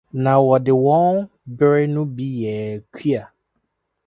na wɔde wɔn bere no bi yɛɛ kua